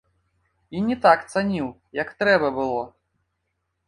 І не так цаніў, як трэба было.